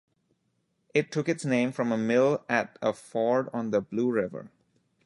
It took its name from a mill at a ford on the Blue River.